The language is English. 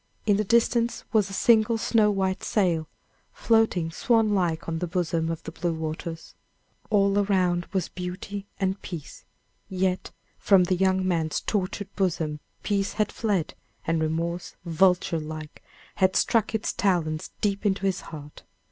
In the distance was a single snow white sail, floating swan like on the bosom of the blue waters. All around was beauty and peace, yet from the young man's tortured bosom peace had fled, and remorse, vulture like, had struck its talons deep into his heart.